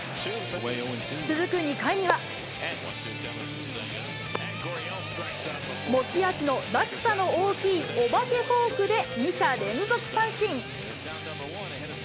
続く２回には、持ち味の落差の大きいお化けフォークで２者連続三振。